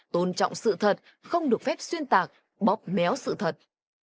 tôn trọng sự thật không được phép xuyên tạc bóp méo sự thật